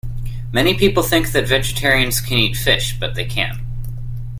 Many people think that vegetarians can eat fish, but they can't